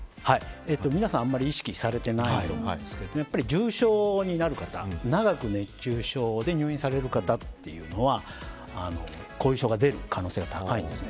皆さんあんまり意識されてないと思うんですけどやっぱり重症になる方長く熱中症で入院される方というのは後遺症が出る可能性が高いです。